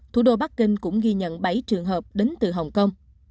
thủ đô bắc kinh cũng ghi nhận bảy trường hợp đến từ hồng kông